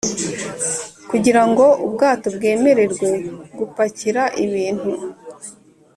kugirango ubwato bwemererwe gupakira ibintu